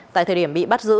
tại thời điểm bị bắt giữ